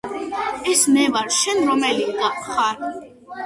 ეს მე ვარ შენ რომელი გარ